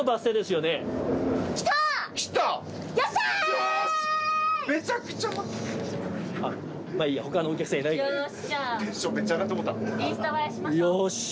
よし。